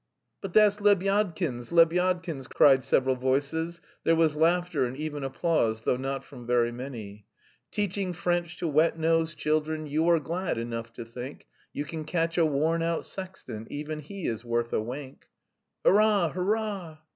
"But that's Lebyadkin's! Lebyadkin's!" cried several voices. There was laughter and even applause, though not from very many. "Teaching French to wet nosed children, You are glad enough to think You can catch a worn out sexton Even he is worth a wink!" "Hurrah! hurrah!"